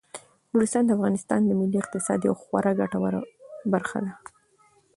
نورستان د افغانستان د ملي اقتصاد یوه خورا ګټوره برخه ده.